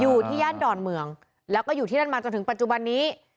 อยู่ที่ย่านดอนเมืองแล้วก็อยู่ที่นั่นมาจนถึงปัจจุบันนี้